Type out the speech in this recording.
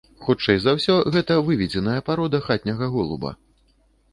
Хутчэй за ўсё гэта выведзеная парода хатняга голуба.